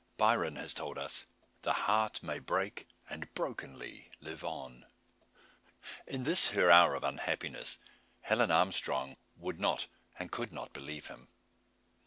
Byron has told us "the heart may break and brokenly live on." In this her hour of unhappiness, Helen Armstrong would not and could not believe him.